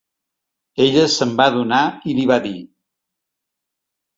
Ella se'n va adonar i li va dir: